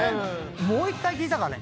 もう１回聞いたからね。